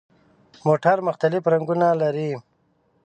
موټر مختلف رنګونه لري.